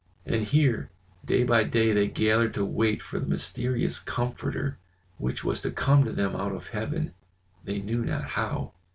And here day by day they gathered to wait for the mysterious Comforter, which was to come to them out of heaven, they knew not how.